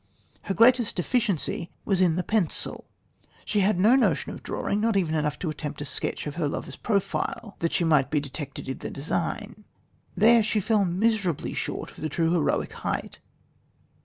Her greatest deficiency was in the pencil she had no notion of drawing, not enough even to attempt a sketch of her lover's profile, that she might be detected in the design. There she fell miserably short of the true heroic height...